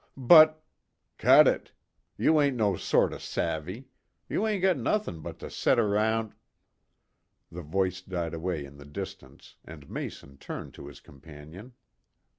"But " "Cut it. You ain't no sort o' savee. You ain't got nuthin' but to set around " The voice died away in the distance, and Mason turned to his companion.